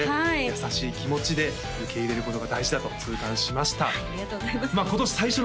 はい優しい気持ちで受け入れることが大事だと痛感しました